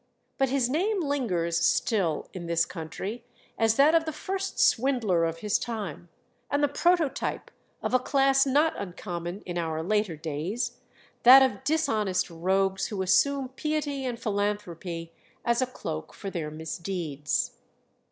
But his name lingers still in this country as that of the first swindler of his time, and the prototype of a class not uncommon in our later days that of dishonest rogues who assume piety and philanthropy as a cloak for their misdeeds.